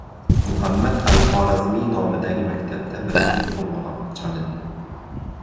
Muhammad al-Xorazmiy nomidagi maktabda birinchi qo‘ng‘iroq chalindi